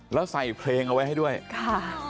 แล้วใส่เพลงเอาไว้ให้ด้วยค่ะ